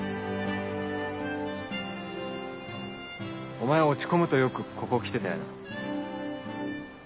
お前落ち込むとよくここ来てたよな。